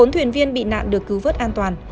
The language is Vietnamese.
bốn thuyền viên bị nạn được cứu vớt an toàn